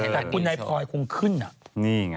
แต่คุณไนท์พลอยคงขึ้นอะนี่แหงะ